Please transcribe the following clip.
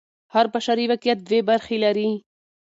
هر بشري واقعیت دوې برخې لري.